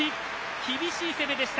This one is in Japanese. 厳しい攻めでした。